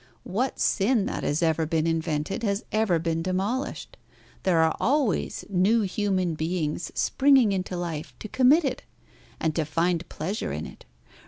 What sin that has ever been invented has ever been demolished? There are always new human beings springing into life to commit it, and to find pleasure in it.